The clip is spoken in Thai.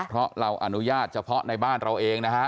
เพราะเราอนุญาตเฉพาะในบ้านเราเองนะฮะ